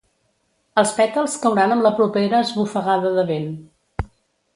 Els pètals cauran amb la propera esbufegada de vent.